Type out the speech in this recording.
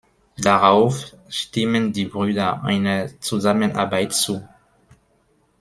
Darauf stimmen die Brüder einer Zusammenarbeit zu.